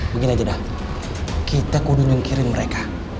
begini aja dah kita kudu nyungkirin mereka